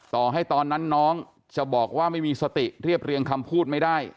ต่อให้ตอนนั้นน้องจะบอกว่าไม่มีสติเรียบเรียงคำพูดไม่ได้